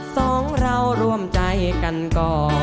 สองเราร่วมใจกันก่อน